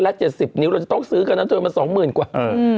รัก๗๐นิ้วเราจะต้องซื้อค่ะจนมา๒หมื่นกว่า